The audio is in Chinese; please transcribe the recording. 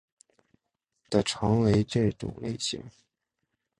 的常为这种类型。